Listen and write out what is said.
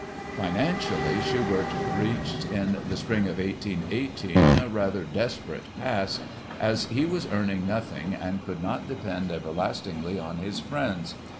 Financially, Schubert reached in the spring of 1818 a rather desperate pass, as he was earning nothing and could not depend everlastingly on his friends.